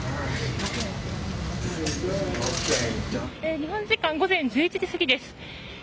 日本時間午前１１時過ぎです。